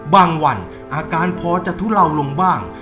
บางวันอาการพอจะทุเลาลงบ้าง